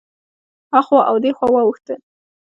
هخوا او دېخوا واوښته.